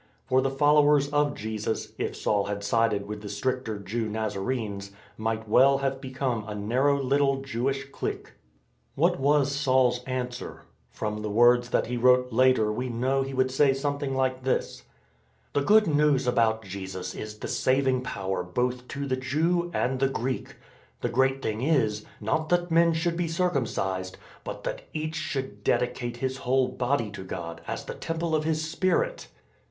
For the followers of Jesus — if Saul had sided with the stricter Jew Nazarenes — might well have become a narrow little Jewish clique. What was Saul's answer ? From the words that he wrote later we know he would say something like this: " The Good News about Jesus is the saying power both to the Jew and the Greek. The great thing is — not that men should be circumcised, but that each should dedicate his whole body to God, as the Temple of His Spirit."